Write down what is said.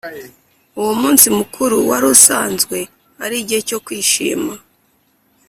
uwo munsi mukuru wari usanzwe ari igihe cyo kwishima.